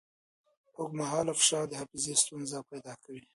اوږدمهاله فشار د حافظې ستونزې پیدا کوي.